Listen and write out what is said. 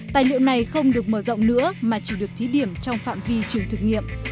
tài liệu này không được mở rộng nữa mà chỉ được thí điểm trong phạm vi trường thực nghiệm